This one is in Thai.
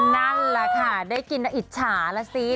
นั่นล่ะค่ะได้กินแล้วอิจฉาละสินะคะ